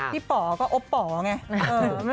ป๋อก็อบป๋อไง